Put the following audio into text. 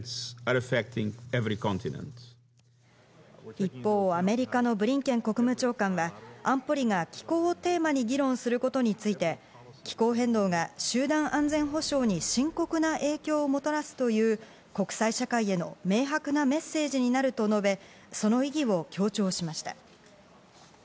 一方、アメリカのブリンケン国務長官は、安保理が気候をテーマに議論することについて、気候変動が集団安全保障に深刻な影響もたらすという国際社会への明白なメッセージになると述べ、その意義を強調しました。